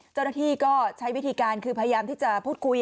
เจ้าหน้าที่ก็ใช้วิธีการคือพยายามที่จะพูดคุย